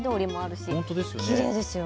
きれいですよね。